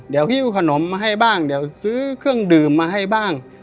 เดี๋ยวหิ้วขนมมาให้บ้างเดี๋ยวซื้อเครื่องดื่มมาให้บ้าง